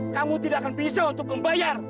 kamu tidak akan bisa untuk membayar